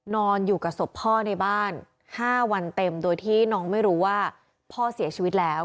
นอนอยู่กับศพพ่อในบ้าน๕วันเต็มโดยที่น้องไม่รู้ว่าพ่อเสียชีวิตแล้ว